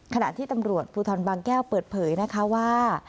ขณะที่ตำรวจภูทรบางแก้วเปิดเผยนะคะว่า